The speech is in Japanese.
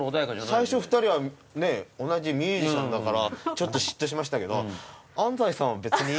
最初２人はね同じミュージシャンだからちょっと嫉妬しましたけど安齋さんは別に。